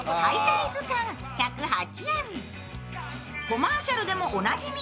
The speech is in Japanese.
コマーシャルでもおなじみ。